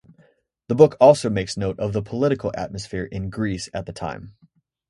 The book also makes note of the political atmosphere in Greece at the time.